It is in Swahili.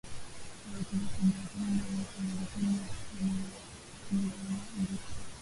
sauti yake barrack obama rais wa marekani akiwaziarani indonesia